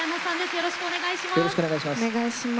よろしくお願いします。